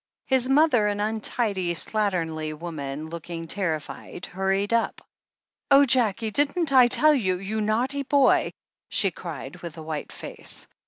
His mother, an untidy, slatternly woman, looking ter rified, hurried up. "Oh, Jackie, didn't I tell you, you naughty boy !" she cried, with a white face.